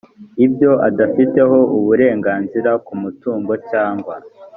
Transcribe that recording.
ibyo adafiteho uburenganzira ku mutungo cyangwa